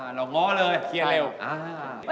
อ๋อหลอกง้อเลยเคียนเร็ว